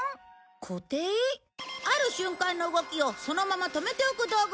固定？ある瞬間の動きをそのまま止めておく道具だよ。